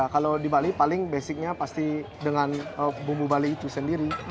kalau di bali paling basicnya pasti dengan bumbu bali itu sendiri